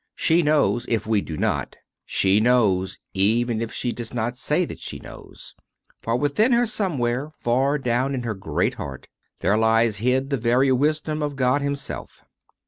She knows, if we do not; she knows, even if she does CONFESSIONS OF A CONVERT in not say that she knows; for within her somewhere, far down in her great heart, there lies hid the very wisdom of God Himself.